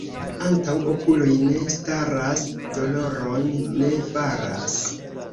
Antaŭ okuloj ne staras, doloron ne faras.